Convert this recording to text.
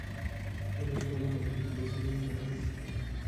د پښتنو په کلتور کې د سولې لپاره هڅې کیږي.